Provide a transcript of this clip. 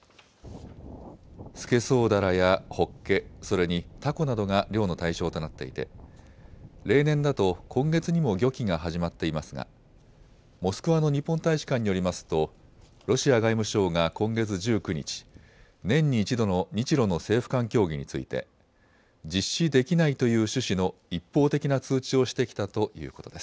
スケソウダラやホッケ、それにタコなどが漁の対象となっていて例年だと今月にも漁期が始まっていますがモスクワの日本大使館によりますとロシア外務省が今月１９日、年に一度の日ロの政府間協議について実施できないという趣旨の一方的な通知をしてきたということです。